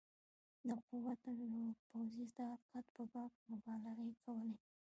د قوت او پوځي طاقت په باب مبالغې کولې.